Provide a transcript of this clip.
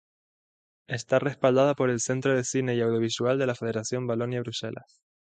Está respaldada por el Centro de Cine y Audiovisual de la Federación Valonia-Bruselas.